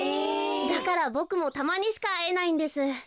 だからボクもたまにしかあえないんです。